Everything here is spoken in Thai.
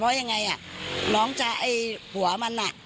เพราะยังไงอ่ะน้องจะไอ้หัวมันอ่ะ